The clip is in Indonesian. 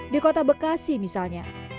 di kota bekasi misalnya